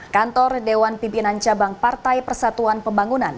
kantor dewan pimpinan cabang partai persatuan pembangunan